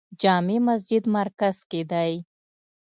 جامع مسجد مرکز کې دی